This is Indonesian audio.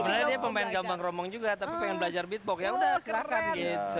sebenarnya dia pemain gambang romong juga tapi pengen belajar bitbox ya udah kerahkan gitu